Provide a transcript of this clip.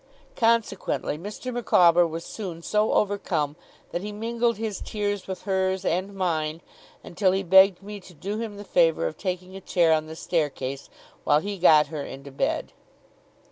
Consequently Mr. Micawber was soon so overcome, that he mingled his tears with hers and mine; until he begged me to do him the favour of taking a chair on the staircase, while he got her into bed.